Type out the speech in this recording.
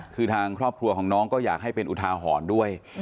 คือทางครอบครัวของน้องก็อยากให้เป็นอุทาหรณ์ด้วย